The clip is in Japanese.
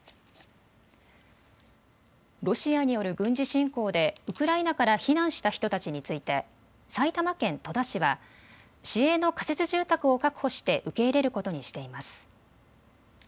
ロシアによる軍事侵攻でウクライナから避難した人たちについて埼玉県戸田市は市営の仮設住宅を確保して受け入れることにしています。